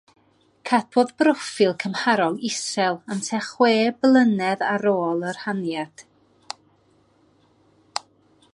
Cadwodd broffil cymharol isel am tua chwe blynedd ar ôl y rhaniad.